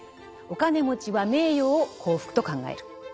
お金持ちは「名誉」を幸福と考える。